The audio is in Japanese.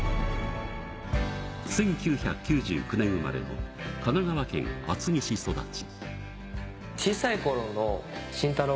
１９９９年生まれの神奈川県厚木市育ち。